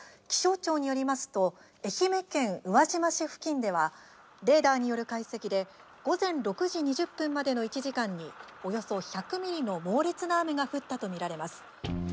気象庁によりますと愛媛県宇和島市付近ではレーダーによる解析で午前６時２０分までの１時間におよそ１００ミリの猛烈な雨が降ったと見られます。